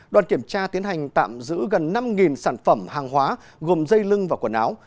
đoàn kiểm tra tiến hành tạm giữ gần năm sản phẩm hàng hóa gồm dây lưng và quần áo